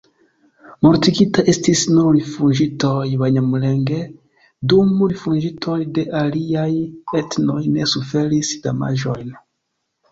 Mortigitaj estis nur rifuĝintoj-banjamulenge, dum rifuĝintoj de aliaj etnoj ne suferis damaĝojn.